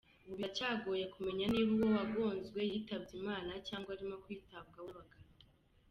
Ubu biracyagoye kumenya niba uwo wagonzwe yitabye Imana cyangwa arimo kwitabwaho n’abaganga.